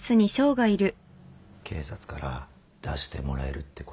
警察から出してもらえるってことね。